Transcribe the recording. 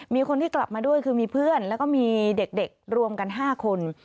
มีคนที่กลับมาด้วยคือมีเพื่อนแล้วก็มีเด็กรวมกัน๕คน